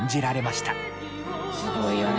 すごいよね。